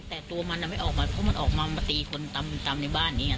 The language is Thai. แต่ตัวมันไม่ออกมาเพราะมันออกมามาตีคนตามในบ้านนี้ไง